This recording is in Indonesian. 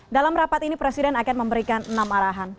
dalam rapat ini presiden akan memberikan enam arahan